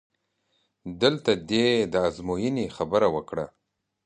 دلته دې د ازموینې خبره وکړه؟!